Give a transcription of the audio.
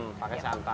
hmm pakai santan